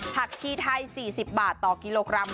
ชีไทย๔๐บาทต่อกิโลกรัม